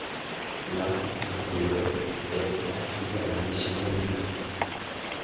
La est fondée le et est affiliée à l'Armée syrienne libre.